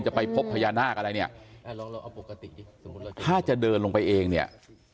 ไปพบพญานาคอะไรเนี่ยปกติถ้าจะเดินลงไปเองเนี่ย